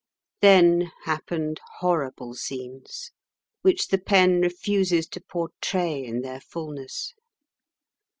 Then happened horrible scenes which the pen refuses to portray in their fulness.